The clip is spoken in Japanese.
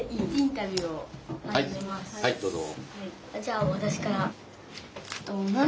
はいどうぞ。